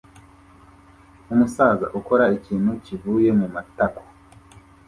Umusaza ukora ikintu kivuye mumatako